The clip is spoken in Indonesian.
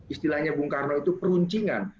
istilahnya bung karno itu peruncingan